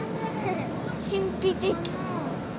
神秘的。